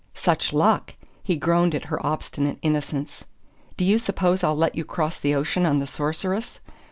"Such luck?" He groaned at her obstinate innocence. "Do you suppose I'll let you cross the ocean on the Sorceress?"